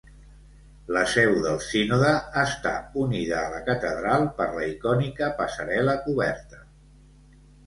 La seu del sínode està unida a la catedral per la icònica passarel·la coberta.